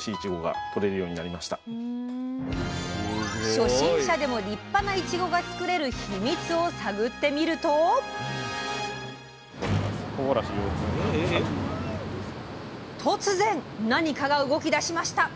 初心者でも立派ないちごが作れるヒミツを探ってみると突然何かが動きだしました！